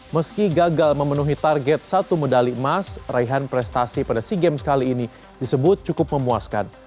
meski gagal memenuhi target satu medali emas raihan prestasi pada sea games kali ini disebut cukup memuaskan